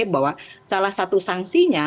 bahwa salah satu sangsinya